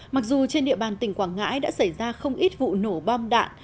mặc dù trên địa bàn tỉnh quảng ngãi đã xảy ra không ít vụ nổ bom đạn